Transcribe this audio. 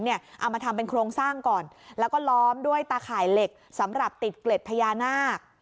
เอามาทำเป็นโครงสร้างก่อนแล้วก็ล้อมด้วยตาข่ายเหล็กสำหรับติดเกล็ดพญานาค